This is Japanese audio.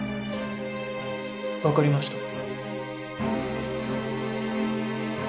分かりました。